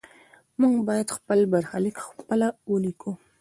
موږ باید خپل برخلیک خپله ولیکو.